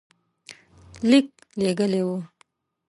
لیک لېږلی وو.